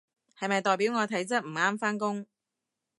係咪代表我體質唔啱返工？